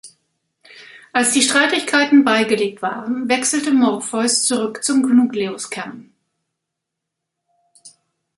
Als die Streitigkeiten beigelegt waren, wechselte Morpheus zurück zum Gnucleus-Kern.